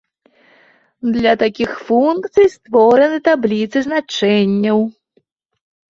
Для такіх функцый створаны табліцы значэнняў.